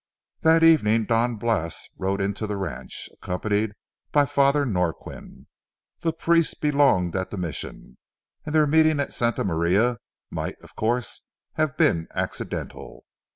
That evening Don Blas rode into the ranch, accompanied by Father Norquin. The priest belonged at the Mission, and their meeting at Santa Maria might, of course, have been accidental.